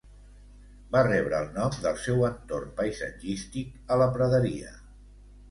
Va rebre el nom del seu entorn paisatgístic a la praderia.